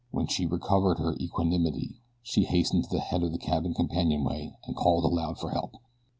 When she had recovered her equanimity she hastened to the head of the cabin companionway and called aloud for help.